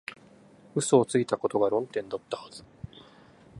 嘘をついたことが論点だったはず